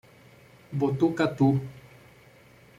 Botucatu